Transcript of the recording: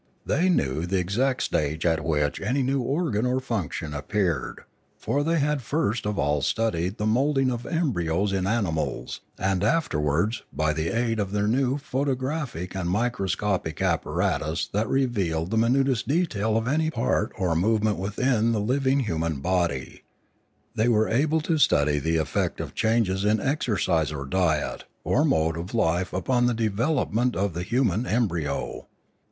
They knew the exact stage at which any new organ or function appeared, for they had first of all studied the moulding of embryos in animals; and afterwards, by the aid of their new photographic and microscopic ap paratus that revealed the minutest detail of any part or movement within the living human body, they were able to study the effect of changes in exercise or diet or mode of life upon the development of the human em bryo.